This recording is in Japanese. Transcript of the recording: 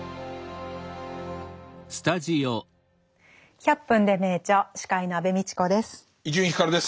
「１００分ｄｅ名著」司会の安部みちこです。